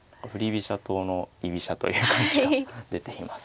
飛車党の居飛車という感じが出ています。